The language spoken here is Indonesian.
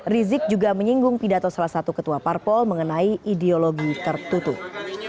rizik juga menyinggung pidato salah satu ketua parpol mengenai ideologi tertutup